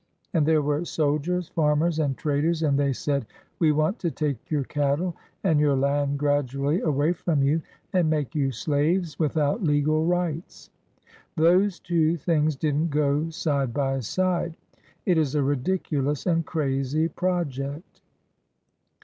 And there were soldiers, farmers, and traders, and they said: 'We want to take your cattle and your land gradually away from you and make you slaves without legal rights.' Those two things didn't go side by side. It is a ridiculous and crazy project.